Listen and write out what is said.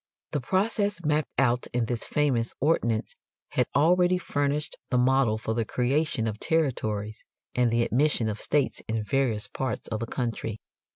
The process mapped out in this famous ordinance had already furnished the model for the creation of territories and the admission of states in various parts of the country.